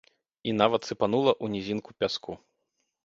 І нават сыпанула ў нізінку пяску.